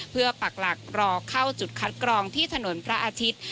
เพื่อปักหลักรอเข้าจุดคัดกรองที่ถนนพระอาทิตย์